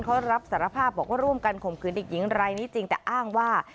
เขารับสารภาพบอกว่าร่วมกันข่มขืนเด็กหญิงรายนี้จริงแต่อ้างว่า